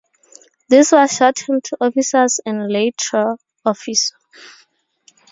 This was shortened to Officer's and later, Officer.